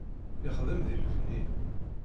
Ixeddem deg lebni.